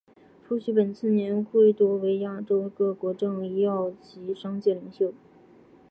出席本次年会多为亚洲各国政要及商界领袖。